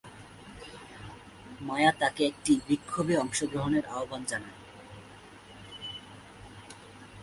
মায়া তাকে একটি বিক্ষোভে অংশগ্রহণের আহবান জানায়।